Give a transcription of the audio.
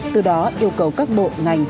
từ đó yêu cầu các bộ ngành